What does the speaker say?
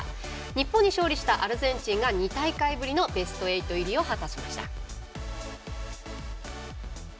日本に勝利したアルゼンチンが２大会ぶりのベスト８入りを果たしました。